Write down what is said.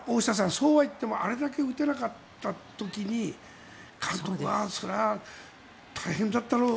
そうはいってもあれだけ打てなかったとき監督はそりゃ大変だったろう。